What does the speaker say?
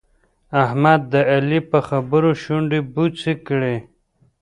احمد د علي په خبرو شونډې بوڅې کړې.